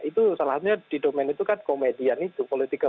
itu salah satunya di domain itu kan komedian itu